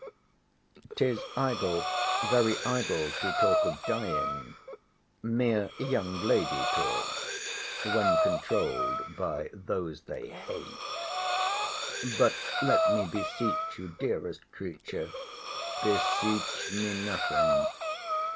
'Tis idle, very idle, to talk of dying. Mere young lady talk, when controuled by those they hate. But let me beseech you, dearest creature—— Beseech me nothing.